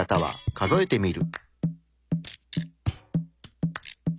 数えてみる。